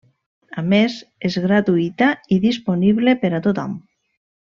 A més, és gratuïta i disponible per a tothom.